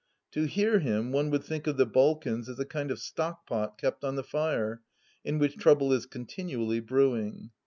To hear him one would think of the Balkans as a kind of stock pot kept on the fire, in which trouble is continually brewing.